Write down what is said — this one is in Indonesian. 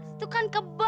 itu kan kebo